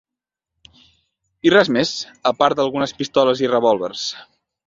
...i res mes, a part d'algunes pistoles i revòlvers